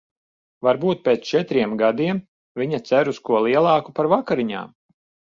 Varbūt pēc četriem gadiem viņa cer uz ko lielāku par vakariņām?